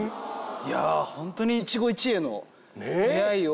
いやあ本当に一期一会の出会いを。